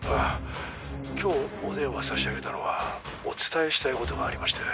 今日お電話差し上げたのはお伝えしたいことがありまして。